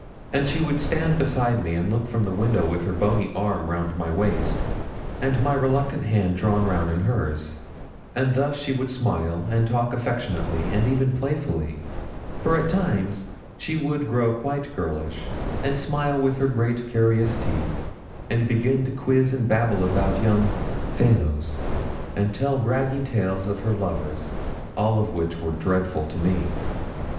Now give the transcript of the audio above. and she would stand beside me, and looked from the window with her bony arm round my waist, and my reluctant hand drawn round in hers; and thus she would smile, and talk affectionately and even playfully; for at times she would grow quite girlish, and smile with her great carious teeth, and begin to quiz and babble about the young 'faylows,' and tell bragging tales of her lovers, all of which were dreadful to me.